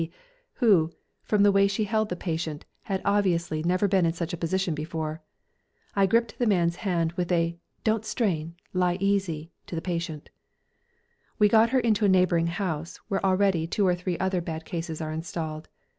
D., who, from the way she held the patient, had obviously never been in such a position before. I gripped the man's hand, with a "Don't strain; lie easy!" to the patient. We got her into a neighbouring house, where already two or three other bad cases are installed.